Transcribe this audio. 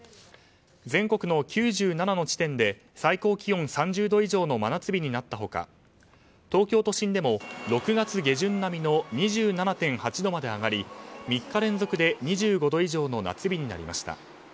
全国の９７の地点で最高気温３０度以上の真夏日になった他東京都心でも６月下旬並みの２７．８度まで上がり３日連続で２５度以上の夏日になりました。